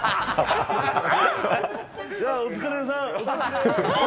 お疲れさん。